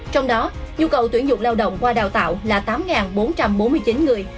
trong đó nhu cầu tuyển dụng lao động qua đào tạo là tám bốn trăm bốn mươi chín người